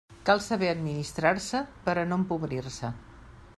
Cal saber administrar-se per a no empobrir-se.